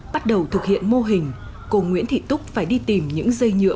bắt đầu thực hiện mô hình cô nguyễn thị túc phải đi tìm những dây nhựa